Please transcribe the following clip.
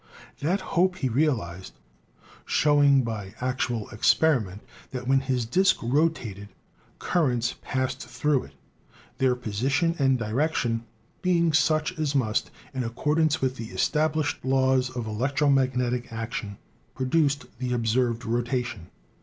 That hope he realized, show ing by actual experiment that when his disk rotated cur rents passed through it, their position and direction being such as must, in accordance with the established laws of electromagnetic action, produce the observed rotation.